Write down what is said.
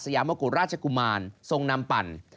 ยามกุฎราชกุมารทรงนำปั่น